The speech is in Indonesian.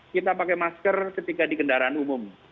kita pakai masker ketika di kendaraan umum